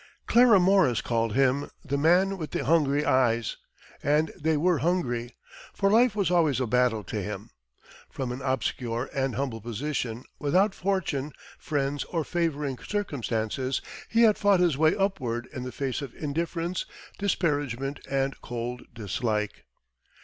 Clara Morris called him "The Man with the Hungry Eyes," and they were hungry, for life was always a battle to him. From an obscure and humble position, without fortune, friends, or favoring circumstances he had fought his way upward in the face of indifference, disparagement and cold dislike.